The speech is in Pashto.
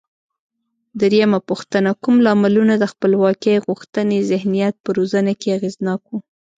درېمه پوښتنه: کوم لاملونه د خپلواکۍ غوښتنې ذهنیت په روزنه کې اغېزناک و؟